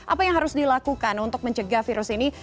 apa yang harus dilakukan untuk mencegah virus ini